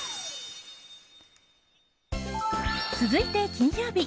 続いて、金曜日。